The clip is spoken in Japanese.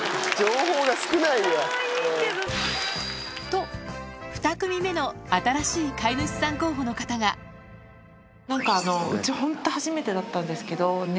と２組目の新しい飼い主さん候補の方が何かうちホント初めてだったんですけど猫。